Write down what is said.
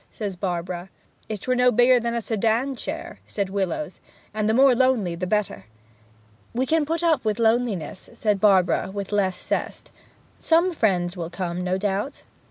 says Barbara. 'If 'twere no bigger than a sedan chair!' says Willowes. 'And the more lonely the better.' 'We can put up with the loneliness,' said Barbara, with less zest. 'Some friends will come, no doubt.'